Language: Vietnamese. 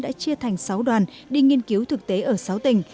đã chia thành sáu đoàn đi nghiên cứu thực tế ở sáu tỉnh